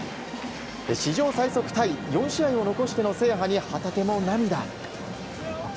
史上最速タイ４試合を残しての制覇に旗手も涙。